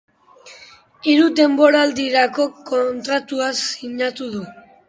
Hiru denboraldirako kontratua sinatu du.